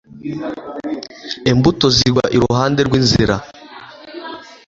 imbuto zigwa iruhande rw inzira